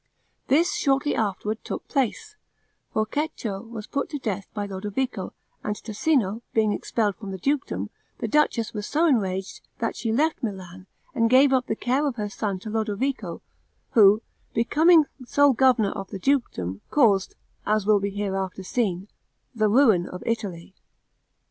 This shortly afterward took place; for Cecco was put to death by Lodovico, and Tassino, being expelled from the dukedom, the duchess was so enraged that she left Milan, and gave up the care of her son to Lodovico, who, becoming sole governor of the dukedom, caused, as will be hereafter seen, the ruin of Italy.